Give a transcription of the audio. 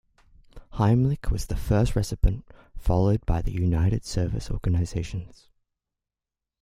Heimlich was the first recipient, followed by the United Service Organizations.